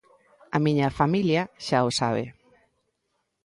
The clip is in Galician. A miña familia xa o sabe.